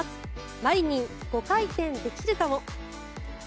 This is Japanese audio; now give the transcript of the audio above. マリニン、５回転できるかも。